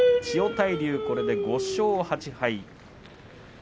千代大龍これで５勝８敗。